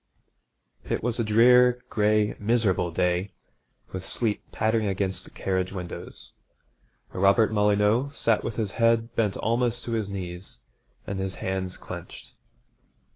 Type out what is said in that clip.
It was a drear, gray, miserable day, with sleet pattering against the carriage windows. Robert Molyneux sat with his head bent almost to his knees, and his hands clenched.